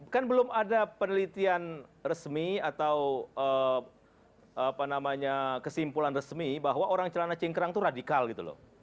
kan belum ada penelitian resmi atau apa namanya kesimpulan resmi bahwa orang celana cingkrang itu radikal gitu loh